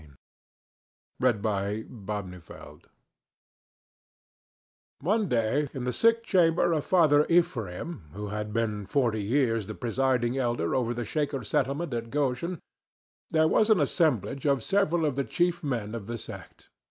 THE SHAKER BRIDAL One day, in the sick chamber of Father Ephraim, who had been forty years the presiding elder over the Shaker settlement at Goshen, there was an assemblage of several of the chief men of the sect.